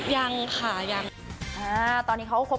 ยังไม่พร้อม